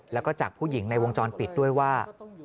แล้วก็จากผู้หญิงในวงจรปิดด้วยว่า